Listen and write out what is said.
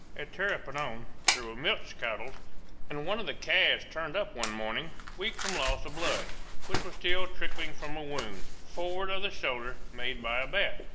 At Tapirapoan there were milch cattle; and one of the calves turned up one morning weak from loss of blood, which was still trickling from a wound, forward of the shoulder, made by a bat.